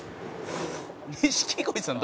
「錦鯉さん